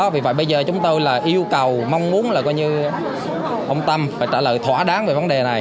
vì vậy bây giờ chúng tôi là yêu cầu mong muốn là coi như ông tâm phải trả lời thỏa đáng về vấn đề này